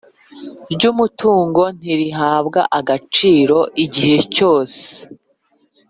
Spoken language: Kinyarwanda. ry umutungo ntirihabwa agaciro igihe cyose